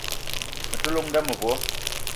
Me te llong n'da mevo.